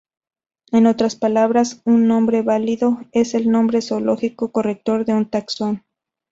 En otras palabras, un nombre válido es el nombre zoológico correcto de un taxón.